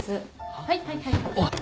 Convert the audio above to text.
はいはいはいはい。